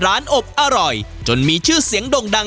ยังสี่อันเหมือนเดิมค่ะ